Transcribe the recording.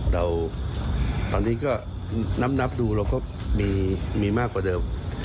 วันนี้ก็น้ำนับดูเราเราก็มีมากกว่าเดิม